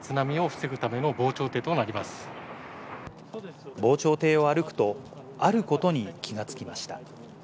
防潮堤を歩くと、あることに気が付きました。